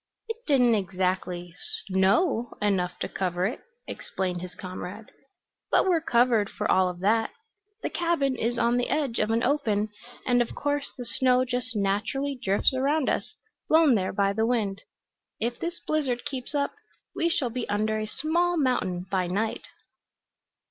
"It didn't exactly snow enough to cover it," explained his comrade. "But we're covered for all of that. The cabin is on the edge of an open, and of course the snow just naturally drifts around us, blown there by the wind. If this blizzard keeps up we shall be under a small mountain by night."